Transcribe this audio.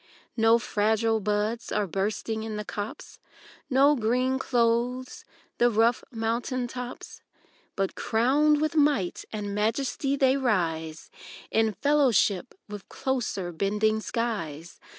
No fragile buds are bursting in the copse, No green clothes the rough mountain tops; But crowned with might and majesty they rise In fellowship with closer bending skies.